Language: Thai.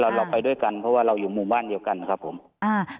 เราเราไปด้วยกันเพราะว่าเราอยู่หมู่บ้านเดียวกันครับผมอ่า